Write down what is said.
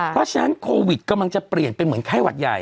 เพราะฉะนั้นโควิดกำลังจะเปลี่ยนเป็นเหมือนไข้หวัดใหญ่